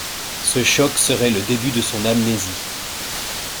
Ce choc serait le début de son amnésie.